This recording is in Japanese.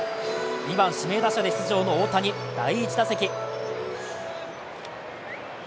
２番・指名打者で出場の大谷第１打席。